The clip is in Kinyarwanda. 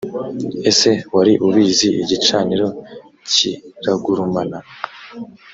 ese wari ubizi ? igicaniro kiragurumana